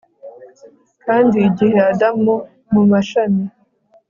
Kandi igihe Adamu mumashami